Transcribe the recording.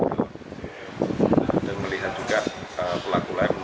dan melihat juga pelakon yang menemukan kepala